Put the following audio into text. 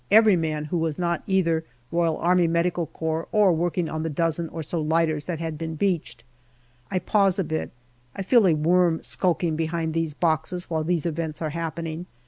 every man who was not either R.A.M.C. or working on the dozen or so lighters that had been beached. I pause a bit. I feel a worm skulking behind these boxes while these events are happening.